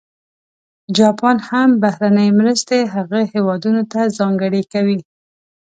جاپان هم بهرنۍ مرستې هغه هېوادونه ته ځانګړې کوي.